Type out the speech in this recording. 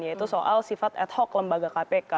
yaitu soal sifat ad hoc lembaga kpk